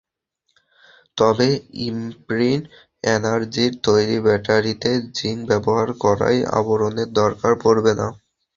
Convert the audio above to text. তবে ইমপ্রিন্ট এনার্জির তৈরি ব্যাটারিতে জিংক ব্যবহার করায় আবরণের দরকার পড়বে না।